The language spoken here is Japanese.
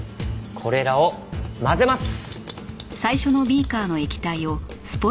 これらを混ぜます！